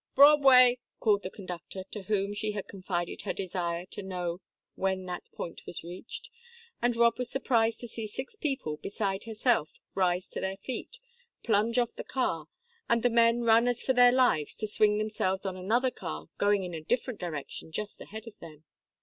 "Broadway!" called the conductor, to whom she had confided her desire to know when that point was reached, and Rob was surprised to see six people, beside herself, rise to their feet, plunge off the car, and the men run as for their lives to swing themselves on another car, going in a different direction, just ahead of them.